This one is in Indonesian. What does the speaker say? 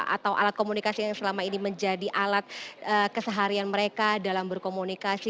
atau alat komunikasi yang selama ini menjadi alat keseharian mereka dalam berkomunikasi